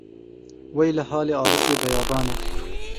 Wey li halê avisê beyabanan.